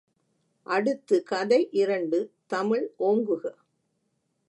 அடுத்து கதை இரண்டு தமிழ் ஓங்குக.